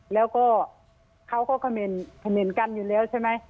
แล้วก็เขาก็เขม่นกันอยู่แล้วใช่ไหม